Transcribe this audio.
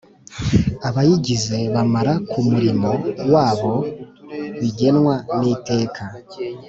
Abayigize bamara ku murimo wabo bigenwa n iteka